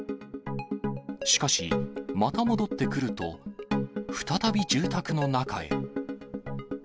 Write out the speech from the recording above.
しかし、また戻ってくると、再び住宅の中へ。